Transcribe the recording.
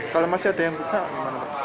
kalau masih ada yang buka